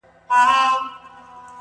وو حاکم مګر مشهوره په امیر وو.